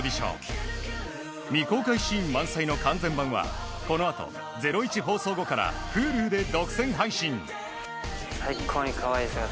未公開シーン満載の完全版は、この後、『ゼロイチ』放送後からＨｕｌｕで独占配信。